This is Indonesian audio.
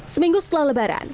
seminggu setelah lebaran